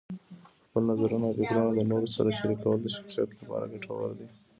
خپل نظرونه او فکرونه د نورو سره شریکول د شخصیت لپاره ګټور دي.